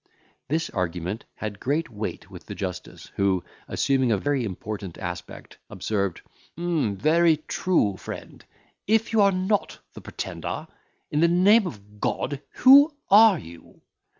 This argument had great weight with the justice, who, assuming a very important aspect, observed, "Very true, friend, if you are not the Pretender, in the name of God, who are you?